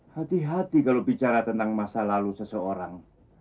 hati hati kalau bicara tentang masa lalu seseorang